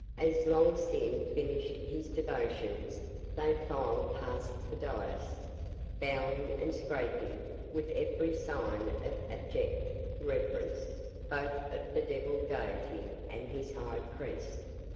As Long Sin finished his devotions they filed past the dais, bowing and scraping with every sign of abject reverence both for the devil deity and his high priest.